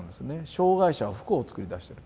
障害者は不幸を作り出してる。